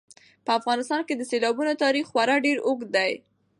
په افغانستان کې د سیلابونو تاریخ خورا ډېر اوږد دی.